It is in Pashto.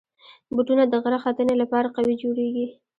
بوټونه د غره ختنې لپاره قوي جوړېږي.